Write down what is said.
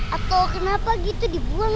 atau kenapa gitu dibuang